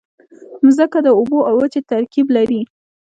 مځکه د اوبو او وچې ترکیب لري.